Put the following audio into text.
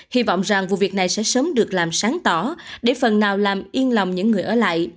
hy vọng rằng vụ việc này sẽ sớm được làm sáng tỏ để phần nào làm yên lòng những người ở lại